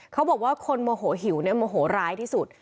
เขาบอกว่าคนโมโหหิวเนี่ยโมโหร้ายที่สุด